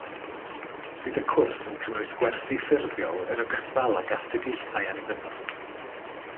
Bydd y cwrs yn cynnwys gwersi ffurfiol yn ogystal ag astudiaethau annibynnol